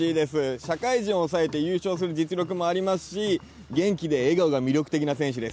社会人を抑えて優勝する実力もありますし元気で笑顔が魅力的な選手です。